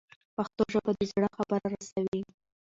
پښتو ژبه د زړه خبره رسوي.